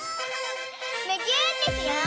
むぎゅーってしよう！